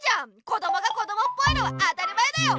こどもがこどもっぽいのは当たり前だよ！